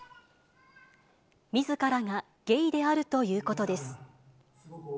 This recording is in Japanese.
みずからがゲイであるということです。